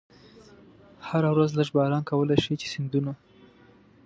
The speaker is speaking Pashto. هره ورځ لږ باران کولای شي چې سیندونه.